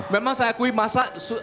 memang saya akui masa